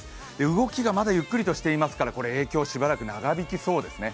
動きがまだゆっくりとしていますから、影響、しばらく長引きそうです。